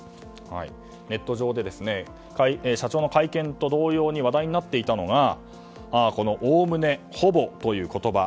ネット上で社長の会見と同様に話題になっていたのが「おおむね」「ほぼ」という言葉。